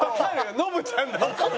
ノブちゃんだもん。